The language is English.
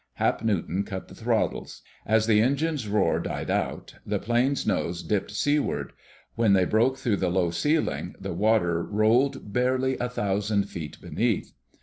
Hap Newton cut the throttles. As the engines' roar died out the plane's nose dipped seaward. When they broke through the low ceiling the water rolled barely a thousand feet beneath.